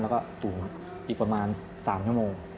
แล้วก็ตุ๋นอีกประมาณ๓ชั่วโมง